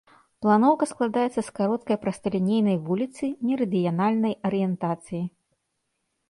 Планоўка складаецца з кароткай прасталінейнай вуліцы мерыдыянальнай арыентацыі.